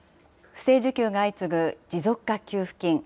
不正受給が相次ぐ持続化給付金。